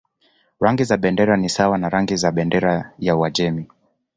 Rangi za bendera ni sawa na rangi za bendera ya Uajemi.